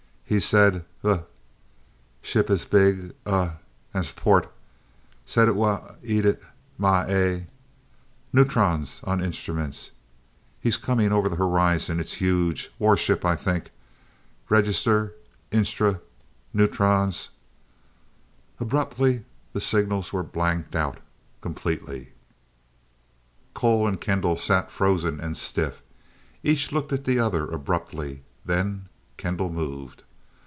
He said th ship as big a nsport. Said it wa eaded my ay. Neutrons on instruments he's coming over the horizon it's huge war ship I think register instru neutrons ." Abruptly the signals were blanked out completely. Cole and Kendall sat frozen and stiff. Each looked at the other abruptly, then Kendall moved.